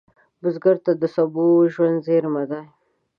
بزګر ته د سبو ژوند زېری دی